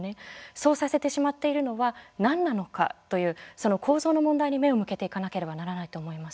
そうさせてしまっているのは何なんかという、その構造の問題に目を向けていかなければならないと思います。